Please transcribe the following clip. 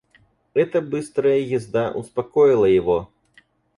Эта быстрая езда успокоила его.